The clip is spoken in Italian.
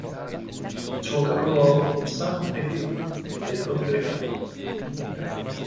Il suo capoluogo è Sant Feliu de Llobregat.